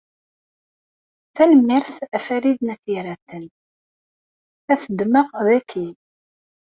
Tanemmirt a Farid n At Yiraten, ad t-ddmeɣ daki.